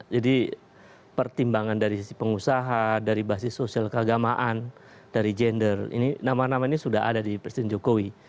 jadi pertimbangan dari sisi pengusaha dari basis sosial keagamaan dari gender nama nama ini sudah ada di presiden jokowi